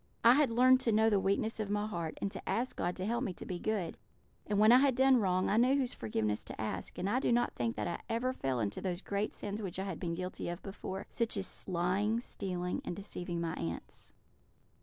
"I had learned to know the weakness of my heart, and to ask God to help me to be good; and when I had done wrong, I knew whose forgiveness to ask; and I do not think that I ever fell into those great sins which I had been guilty of before such as lying, stealing, and deceiving my aunts."